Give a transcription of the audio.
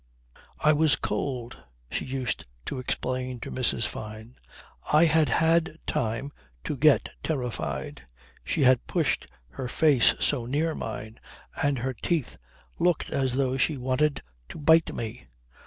"I was cold," she used to explain to Mrs. Fyne. "I had had time to get terrified. She had pushed her face so near mine and her teeth looked as though she wanted to bite me.